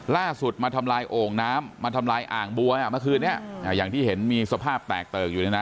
ล่าสุดมาทำลายโอ่งน้ำมาทำลายอ่างบัวเมื่อคืนนี้อย่างที่เห็นมีสภาพแตกเติกอยู่เนี่ยนะ